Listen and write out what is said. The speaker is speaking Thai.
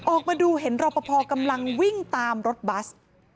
ออกมาดูเห็นรอปภกำลังวิ่งตามรถบัส